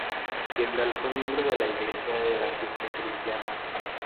Kendall fue miembro de la Iglesia de la Ciencia Cristiana.